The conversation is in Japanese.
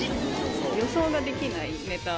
予想ができないネタ。